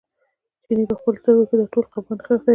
چیني په خپلو سترګو کې دا ټول خپګان نغښتی و.